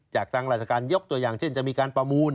จากทางราชการยกตัวอย่างเช่นจะมีการประมูล